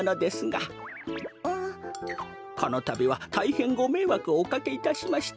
このたびはたいへんごめいわくをおかけいたしました。